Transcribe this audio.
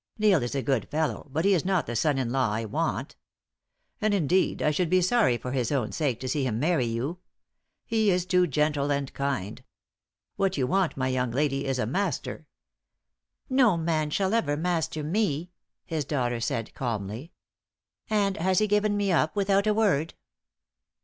"Neil is a good fellow, but he is not the son in law I want. And, indeed, I should be sorry, for his own sake, to see him marry you. He is too gentle and kind. What you want, my young lady, is a master." "No man shall ever master me," his daughter said, calmly. "And has he given me up without a word?"